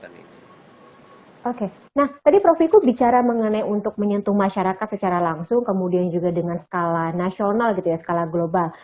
nah tadi prof iku bicara mengenai untuk menyentuh masyarakat secara langsung kemudian juga dengan skala nasional gitu ya skala global